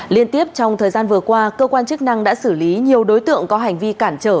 liên tiếp trong thời gian vừa qua cơ quan chức năng đã xử lý nhiều đối tượng có hành vi cản trở